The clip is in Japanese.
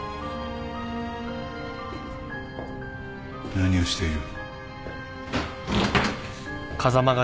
何をしている。